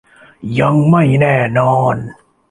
ยังไม่แน่นอน